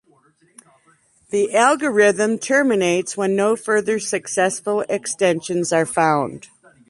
The algorithm terminates when no further successful extensions are found.